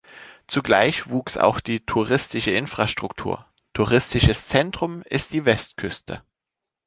Zugleich wuchs auch die touristische Infrastruktur, touristisches Zentrum ist die Westküste.